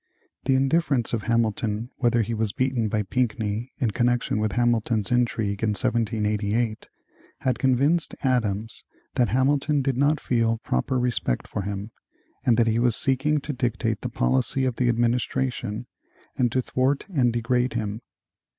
The indifference of Hamilton whether he was beaten by Pinckney, in connection with Hamilton's intrigue in 1788, had convinced Adams that Hamilton did not feel proper respect for him, and that he was seeking to dictate the policy of the administration and to thwart and degrade him.